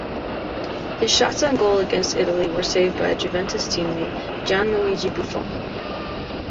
His shots on goal against Italy were saved by Juventus teammate Gianluigi Buffon.